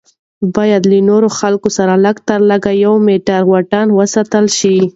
باید له نورو خلکو سره لږ تر لږه یو میټر واټن وساتل شي.